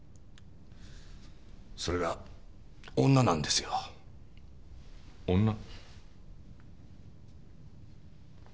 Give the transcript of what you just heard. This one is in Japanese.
それが女なんですよ。女？